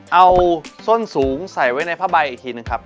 เอาส้นสูงใส่ไว้ในผ้าใบอีกทีหนึ่งครับ